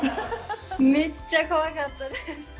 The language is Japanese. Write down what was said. めっちゃ怖かったです！